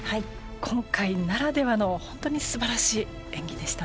今回ならではの本当に素晴らしい演技でしたね。